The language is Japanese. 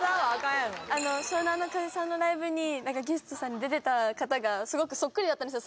やろあの湘南乃風さんのライブにゲストに出てた方がすごくそっくりだったんですよ